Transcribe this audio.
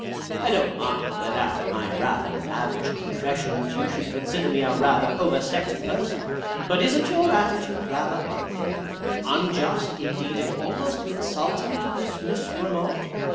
I don't mind that after my rather lavish confessions you should consider me a rather oversexed person, but isn't your attitude rather unfair, unjust, indeed, and almost insulting, to this Miss Grammont?